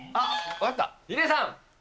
ヒデさん。